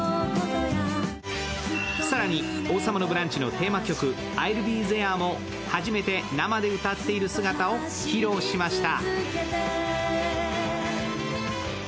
更に、「王様のブランチ」のテーマ曲「Ｉ’ｌｌｂｅｔｈｅｒｅ」も初めて生で歌っている姿を披露しました。